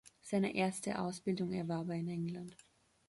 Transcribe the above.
Seine erste Ausbildung erwarb er in England.